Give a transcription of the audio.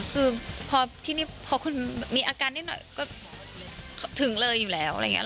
คือพอที่นี่พอคุณมีอาการนิดหน่อยก็ถึงเลยอยู่แล้วอะไรอย่างนี้